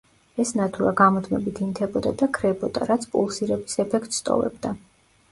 ეს ნათურა გამუდმებით ინთებოდა და ქრებოდა, რაც პულსირების ეფექტს ტოვებდა.